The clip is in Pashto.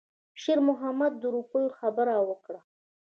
شېرمحمد د روپیو خبره وکړه.